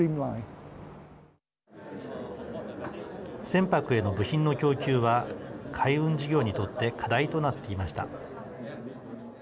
船舶への部品の供給は海運事業にとって課題となっていました。